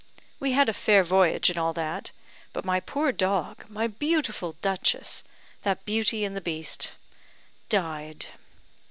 We had a fair voyage, and all that; but my poor dog, my beautiful Duchess! that beauty in the beast died.